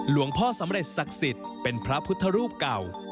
พ่อสำเร็จศักดิ์สิทธิ์เป็นพระพุทธรูปเก่า